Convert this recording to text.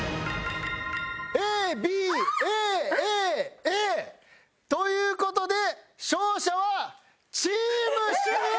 ＡＢＡＡＡ！という事で勝者はチーム主婦！